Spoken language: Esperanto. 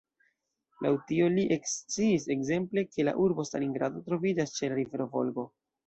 Laŭ tio, li eksciis, ekzemple, ke “la urbo Stalingrado troviĝas ĉe la rivero Volgo.